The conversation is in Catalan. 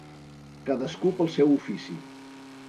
Cadascú pel seu ofici.